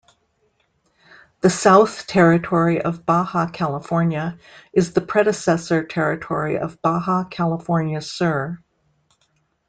The South Territory of Baja California is the predecessor territory of Baja California Sur.